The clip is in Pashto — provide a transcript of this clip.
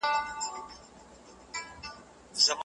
د اقتصادي فعالیتونو تنوع ګټور دی.